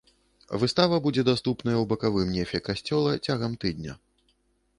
Выстава будзе даступная ў бакавым нефе касцёла цягам тыдня.